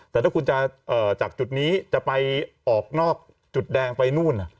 แต่ถ้าคุณจะจากจุดนี้จะไปออกนอกจุดแดงไปนู่น